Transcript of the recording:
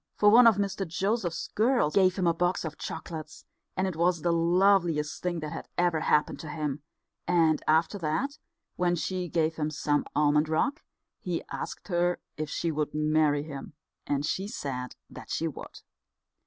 For one of Mr Joseph's girls gave him a box of chocolates, and it was the loveliest thing that had ever happened to him; and after that, when she gave him some almond rock, he asked her if she would marry him, and she said that she would.